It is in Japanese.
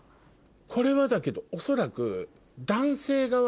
これはだけど恐らく。